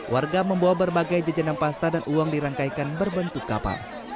warga membawa berbagai jajanan pasta dan uang dirangkaikan berbentuk kapal